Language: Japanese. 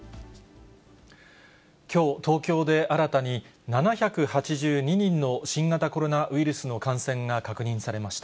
きょう東京で新たに７８２人の新型コロナウイルスの感染が確認されました。